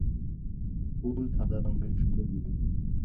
ফুল সাদা রঙের সুগন্ধি।